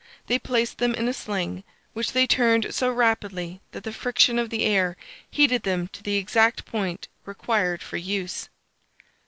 They placed them in a sling, which they turned so rapidly that the friction of the air heated them to the exact point required for use.